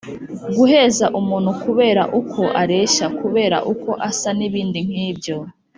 guheza umuntu kubera uko areshya, kubera uko asa n’ibindi nkibyo